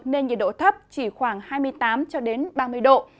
nên nhiệt độ thấp chỉ khoảng hai mươi tám ba mươi độ